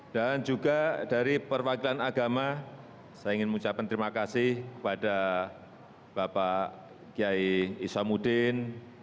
dan juga dari perwakilan agama saya ingin mengucapkan terima kasih kepada bapak kiai isamuddin